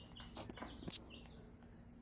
终尿里面是含氮的物质。